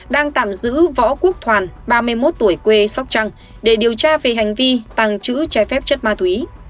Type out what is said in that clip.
đang tạm giữ võ quốc thoàn ba mươi một tuổi quê sóc trăng để điều tra về hành vi tăng chữ chai phép chất ma túy